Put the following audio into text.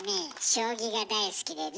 将棋が大好きでね。